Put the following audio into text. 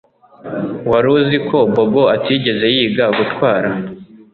Wari uzi ko Bobo atigeze yiga gutwara